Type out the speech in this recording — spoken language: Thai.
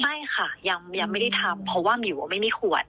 ไม่ค่ะยังไม่ได้ทำเพราะว่ามิวไม่มีขวด